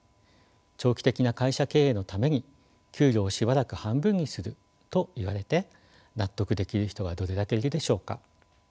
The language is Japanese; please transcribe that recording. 長期的な会社経営のために給料をしばらく半分にすると言われて納得できる人がどれだけいるでしょうか。